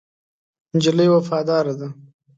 نجلۍ وفاداره ده.